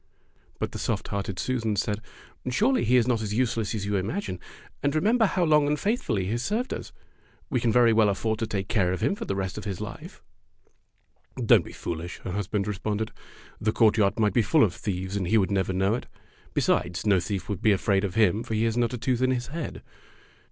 But the soft hearted Susan said: "Surely he is not as useless as you imagine; and remember how long and faithfully he has Fairy Tale Foxes 71 served us. We can very well afford to take care of him for the rest of his life.'' "Don't be foolish," her husband re sponded. "The courtyard might be full of thieves, and he would never know it. Be sides, no thief would be afraid of him, for he has not a tooth in his head.